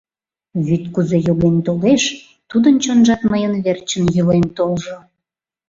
Вӱд кузе йоген толеш, тудын чонжат мыйын верчын йӱлен толжо!